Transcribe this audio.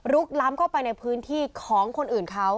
ล้ำเข้าไปในพื้นที่ของคนอื่นเขา